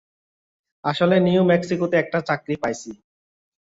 আসলে, নিউ ম্যাক্সিকোতে একটা চাকরি পাইছি।